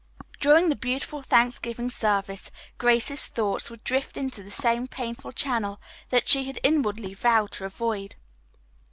During the beautiful Thanksgiving service Grace's thoughts would drift into the same painful channel that she had inwardly vowed to avoid.